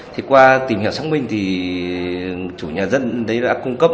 thì qua tìm hiểu xác minh thì chủ nhà dân đấy đã cung cấp